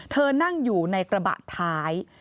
เธอนั่งอยู่ในกระบะท้าย